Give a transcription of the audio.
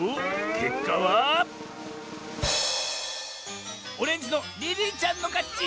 けっかはオレンジのリリーちゃんのかち！